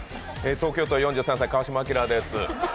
東京都、４３歳、川島明です。